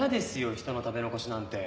人の食べ残しなんて。